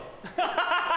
ハハハハ！